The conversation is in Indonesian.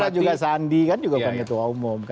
kan ada juga sandi kan juga bukan ketua umum